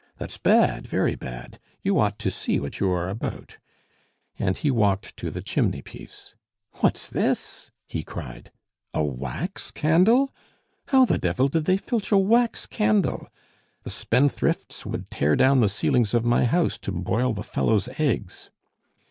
That's bad, very bad; you ought to see what you are about," and he walked to the chimney piece. "What's this?" he cried. "A wax candle! How the devil did they filch a wax candle? The spendthrifts would tear down the ceilings of my house to boil the fellow's eggs."